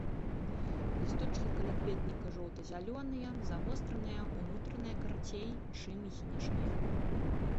Лісточкі калякветніка жоўта-зялёныя, завостраныя, унутраныя карацей чым знешнія.